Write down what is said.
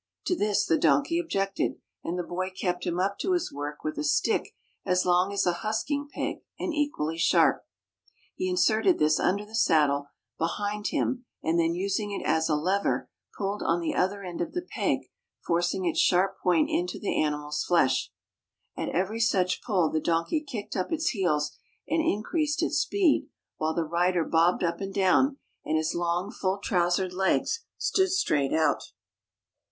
To this the donkey objected, and the boy kept him up to his work with a stick as long as a husking peg and equally sharp. He inserted this under the saddle, behind him, and then using it as a lever, pulled on the other end of the peg, forcing its sharp point into the animal's flesh. At every such pull the donkey kicked up its heels and increased its speed, while the rider bobbed up and down, and his long, full trousered legs stood straight out.